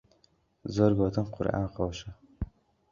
زۆر گۆتن قورئان خۆشە.